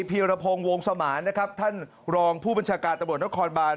ีรพงศ์วงสมานนะครับท่านรองผู้บัญชาการตำรวจนครบาน